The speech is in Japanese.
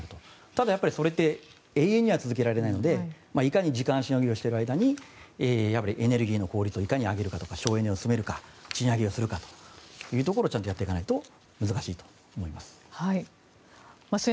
ただ、それって永遠には続けられないのでいかに時間しのぎをしている間にエネルギーの効率をいかに上げるか省エネを進めるか賃上げをするかというところをちゃんとやっていかないと難しいと思います。